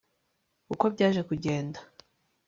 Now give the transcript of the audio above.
uko byaje kugenda